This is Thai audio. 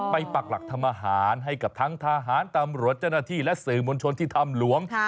ปักหลักทำอาหารให้กับทั้งทหารตำรวจเจ้าหน้าที่และสื่อมวลชนที่ถ้ำหลวง